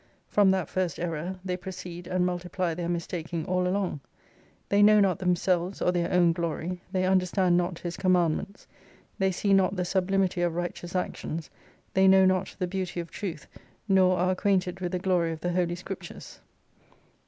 From that first error they proceed and multiply their mistaking all along. They know not themselves or their own glory, they understand not His commandments, they see not the sublimity of righteous actions, they know not the beauty of Truth, nor are acquainted with the glory of the Holy Scrip tures.